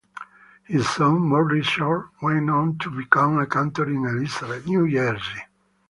His son, Morris Schorr, went on to become a cantor in Elizabeth, New Jersey.